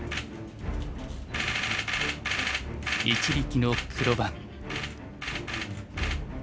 一力の黒番。